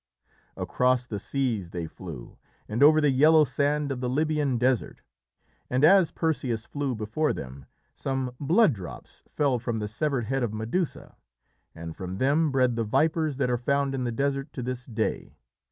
Across the seas they flew, and over the yellow sand of the Libyan desert, and as Perseus flew before them, some blood drops fell from the severed head of Medusa, and from them bred the vipers that are found in the desert to this day.